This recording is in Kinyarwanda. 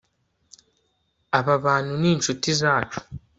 Aba bantu ni inshuti zacu